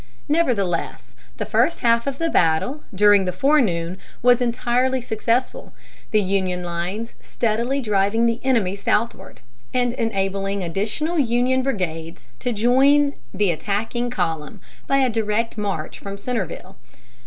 Nevertheless, the first half of the battle, during the forenoon, was entirely successful, the Union lines steadily driving the enemy southward, and enabling additional Union brigades to join the attacking column by a direct march from Centreville.